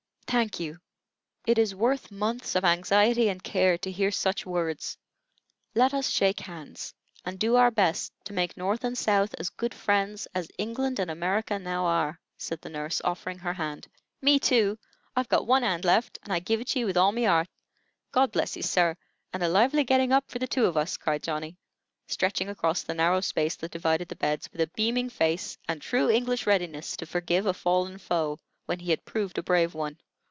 "Thank you! It is worth months of anxiety and care to hear such words. Let us shake hands, and do our best to make North and South as good friends as England and America now are," said the nurse, offering her hand. "Me, too! I've got one 'and left, and I give it ye with all me 'art. God bless ye, sir, and a lively getting hup for the two of us!" cried Johnny, stretching across the narrow space that divided the beds, with a beaming face and true English readiness to forgive a fallen foe when he had proved a brave one.